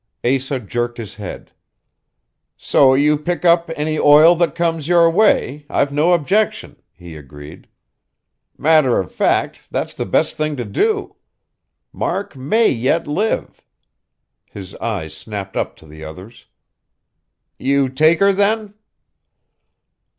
Asa jerked his head. "So you pick up any oil that comes your way, I've no objection," he agreed. "Matter of fact, that's the best thing to do. Mark may yet live." His eyes snapped up to the others. "You take her, then?"